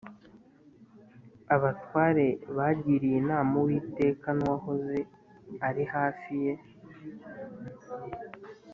abatware bagiriye inama Uwiteka n Uwahoze ari hafi ye